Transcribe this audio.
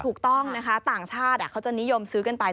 ถูกต้องนะคะต่างชาติเขาจะนิยมซื้อกันไป